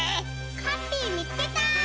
ハッピーみつけた！